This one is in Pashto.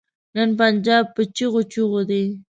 نن پنجاب په چيغو چيغو دی.